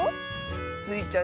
スイちゃん